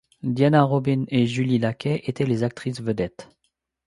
Diana Robyn et Julie Lacquet étaient les actrices vedettes.